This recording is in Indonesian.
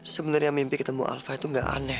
sebenernya mimpi ketemu alva itu gak aneh